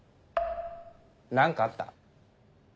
何かあった？